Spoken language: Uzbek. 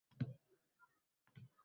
O‘zim uchun, bola-chaqam uchun ishlayman.